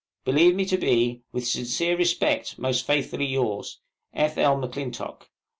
Believe me to be, With sincere respect, most faithfully yours, F. L. M'CLINTOCK.